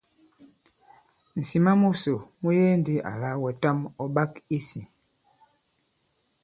Ŋ̀sìma musò mu yege ndī àlà wɛ̀tàm ɔ̀ ɓak i sī.